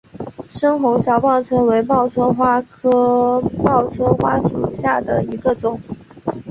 深红小报春为报春花科报春花属下的一个种。